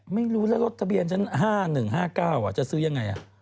ไม่รู้แล้วรถทะเบียนชั้น๕๑๕๙จะซื้อยังไง